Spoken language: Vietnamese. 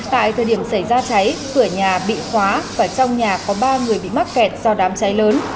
tại thời điểm xảy ra cháy cửa nhà bị khóa và trong nhà có ba người bị mắc kẹt do đám cháy lớn